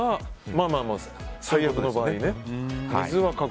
まあまあ、最悪の場合ね